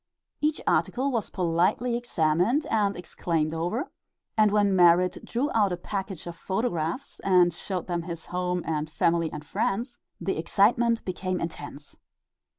Each article was politely examined and exclaimed over, and when Merrit drew out a package of photographs and showed them his home and family and friends, the excitement became intense.